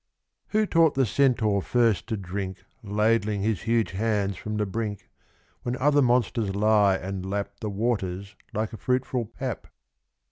WHO taught the centaur first to drink Ladling his huge hands from the brink When other monsters lie and lap The waters like a fruitful pap